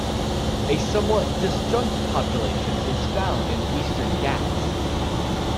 A somewhat disjunct population is found in the Eastern Ghats.